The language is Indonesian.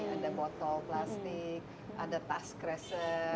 ada botol plastik ada tas kresen iya